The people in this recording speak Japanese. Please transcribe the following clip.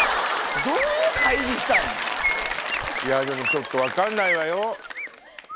いやでもちょっと分かんないわよ。